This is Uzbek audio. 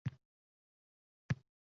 Yoshini eslatadiganlar telbadirlar.